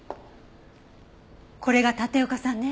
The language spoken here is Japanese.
これが立岡さんね。